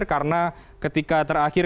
karena ketika terakhir